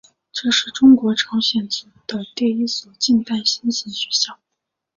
这是中国朝鲜族的第一所近代新型学校。